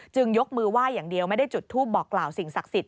ยกมือไหว้อย่างเดียวไม่ได้จุดทูปบอกกล่าวสิ่งศักดิ์สิทธ